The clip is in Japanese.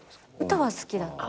歌は好きだった。